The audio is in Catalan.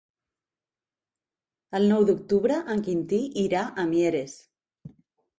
El nou d'octubre en Quintí irà a Mieres.